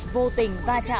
vô tình va chạm